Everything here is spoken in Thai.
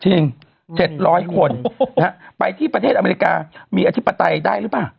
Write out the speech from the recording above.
จริงเจ็ดร้อยคนนะฮะไปที่ประเทศอเมริกามีอธิปไตยได้หรือเปล่า